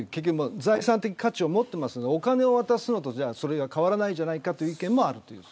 財産的価値を持っていますのでお金を渡すのと変わらないじゃないかという意見もある。